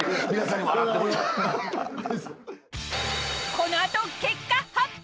［この後結果発表。